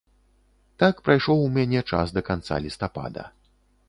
Так прайшоў у мяне час да канца лістапада.